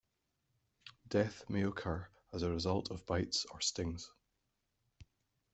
Death may occur as a result of bites or stings.